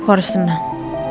aku harus tenang